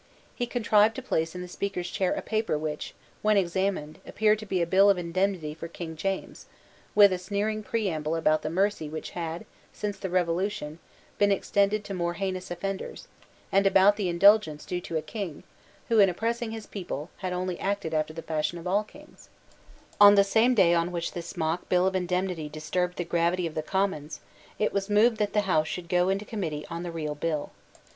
He contrived to place in the Speaker's chair a paper which, when examined, appeared to be a Bill of Indemnity for King James, with a sneering preamble about the mercy which had, since the Revolution, been extended to more heinous offenders, and about the indulgence due to a King, who, in oppressing his people, had only acted after the fashion of all Kings, On the same day on which this mock Bill of Indemnity disturbed the gravity of the Commons, it was moved that the House should go into Committee on the real Bill.